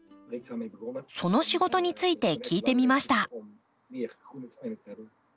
その仕事について聞いてみました。